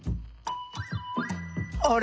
あれ？